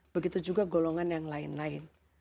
begitu juga golongan yang lain lain